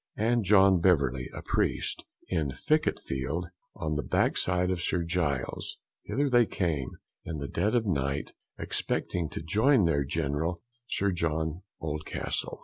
and John Beverly, a priest, in Ficket field, on the backside of St. Giles's; hither they came in the dead of night, expecting to join their General, Sir John Oldcastle.